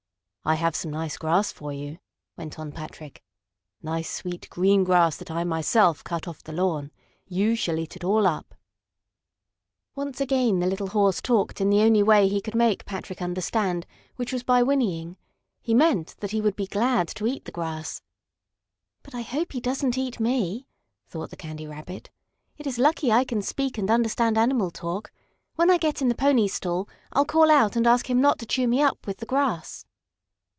"I have some nice grass for you," went on Patrick. "Nice, sweet, green grass that I, myself, cut off the lawn. You shall eat it all up." Once again the little horse talked in the only way he could make Patrick understand, which was by whinnying. He meant that he would be glad to eat the grass. "But I hope he doesn't eat me!" thought the Candy Rabbit. "It is lucky I can speak and understand animal talk. When I get in the pony's stall I'll call out and ask him not to chew me up with the grass."